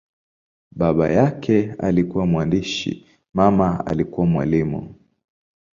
Baba yake alikuwa mwandishi, mama alikuwa mwalimu.